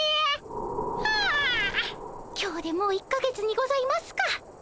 今日でもう１か月にございますか。